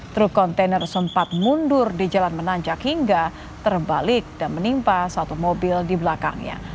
truk kontainer sempat mundur di jalan menanjak hingga terbalik dan menimpa satu mobil di belakangnya